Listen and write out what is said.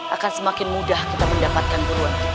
akan semakin mudah kita mendapatkan buruan